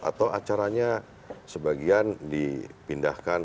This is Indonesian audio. atau acaranya sebagian dipindahkan